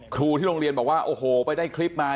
ครูที่โรงเรียนบอกว่าโอ้โหไปได้คลิปมา